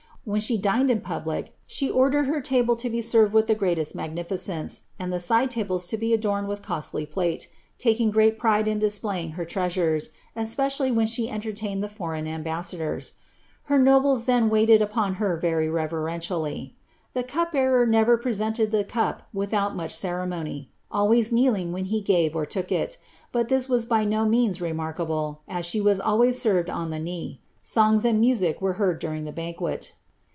When she dined in public, she ordered her table to be served with the greatest magnificence, and the side tables to be adome<l with costly plate, taking great pride in displaying her treasures, espe cially when she entertained the foreign ambassadors. Her nobles then waited upon her very reverentially. The cupbearer never presented the cap without much ceremony, always kneeling when he gave or took it ; bat this was by no means remarkable, as she was always served on the knee. Songs and music were heard during the banquet.'